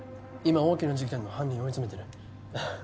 今大きな事件の犯人追い詰めてる